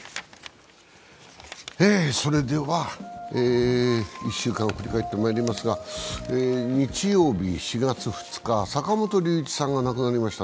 それでは、１週間を振り返ってまいりますが、日曜日、４月２日、坂本龍一さんが亡くなりました。